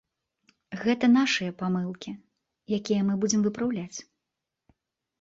Гэта нашы памылкі, якія мы будзем выпраўляць.